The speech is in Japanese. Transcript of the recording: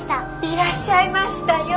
いらっしゃいましたよ。